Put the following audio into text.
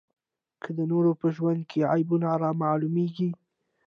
که د نورو په ژوند کې عیبونه رامعلومېږي.